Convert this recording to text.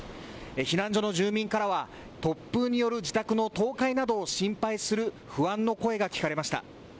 避難所の住民からは、突風による自宅の倒壊などを心配する不安の声が聞かれました。